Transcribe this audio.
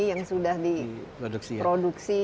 yang sudah diproduksi